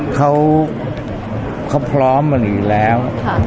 เขาพร้อมมาอยู่แล้ว